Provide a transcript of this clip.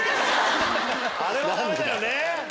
あれはダメだよね！